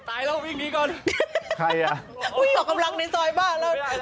เราวิ่งหนีก่อนใครอ่ะอุ้ยออกกำลังในซอยบ้านแล้ว